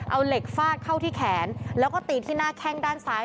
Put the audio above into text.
เอาเหล็กฟาดเข้าที่แขนแล้วก็ตีที่หน้าแข้งด้านซ้าย